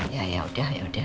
ya yaudah yaudah